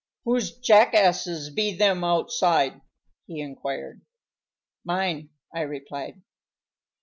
"Whose jackasses be them outside?" he inquired. "Mine," I replied.